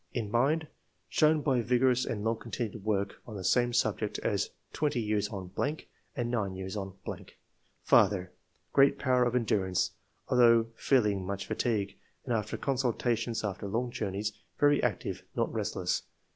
] In mind — Shown by vigorous and long continued work on same subject, as twenty years on .... and nine years on ....'^ Father — Great power of endurance, although feeling much fatigue, as after consultations after long journeys ; very active ; not restless.